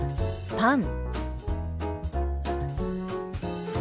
「パン」。